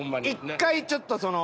１回ちょっとその。